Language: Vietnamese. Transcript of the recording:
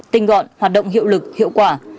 tinh gọn hoạt động hiệu lực hiệu quả